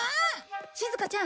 しずかちゃん